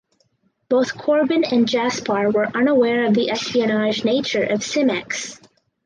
Both Corbin and Jaspar were unaware of the espionage nature of Simex.